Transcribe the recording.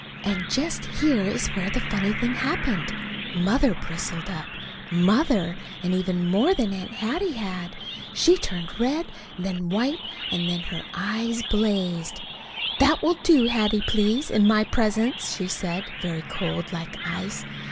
And just here is where the funny thing happened. Mother bristled up Mother and even more than Aunt Hattie had. She turned red and then white, and her eyes blazed. "That will do, Hattie, please, in my presence," she said, very cold, like ice.